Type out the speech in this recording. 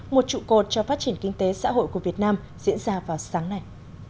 một trụ cột cho phát triển kinh tế xã hội của việt nam diễn ra vào sáng nay